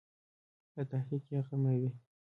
له تحقیق بې غمه وي.